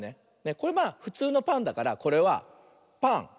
これふつうのパンだからこれは「パン」。